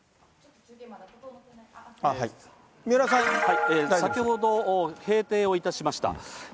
三浦さん、先ほど閉廷をいたしました。